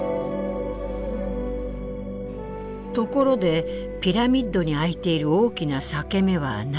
ところでピラミッドに開いている大きな裂け目は何？